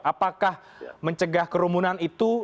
apakah mencegah kerumunan itu